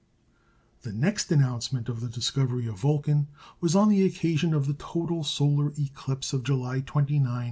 The next announcement of the discovery of "Vulcan" was on the occasion of the total solar eclipse of July 29, 1878.